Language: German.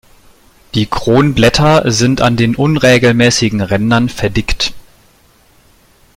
Die Kronblätter sind an den unregelmäßigen Rändern verdickt.